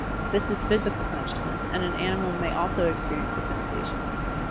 This is Physical Consciousness, and an animal also may experience the sensation.